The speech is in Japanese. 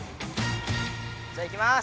じゃあいきます！